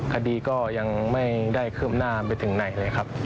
คดีก็ยังไม่ได้เคลือบหน้าไปถึงไหนเลยครับ